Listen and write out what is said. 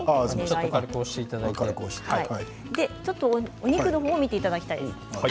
お肉の方を見ていきたいです。